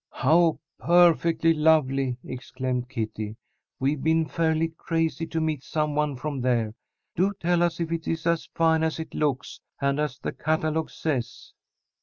"How perfectly lovely!" exclaimed Kitty. "We've been fairly crazy to meet some one from there. Do tell us if it is as fine as it looks, and as the catalogue says."